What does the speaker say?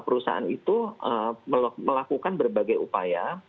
perusahaan itu melakukan berbagai upaya